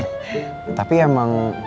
tapi emang dulu saya pernah ngeband sih pak regar